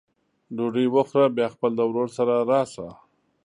ډوډۍ وخوره بیا خپل د ورور سره راسه!